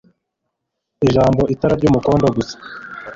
ijambo itara ry'umuhondo gusa